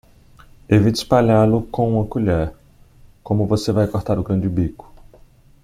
Evite espalhá-lo com uma colher, como você vai cortar o grão de bico.